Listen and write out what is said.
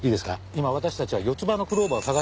今私たちは四つ葉のクローバーを探してる。